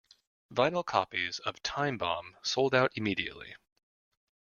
Vinyl copies of "Time Bomb" sold out immediately.